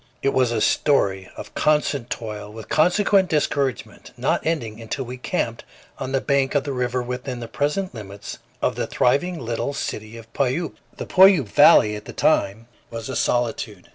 It was a story of constant toil with consequent discouragement, not ending until we camped on the bank of the river within the present limits of the thriving little city of Puyallup. The Puyallup valley at that time was a solitude.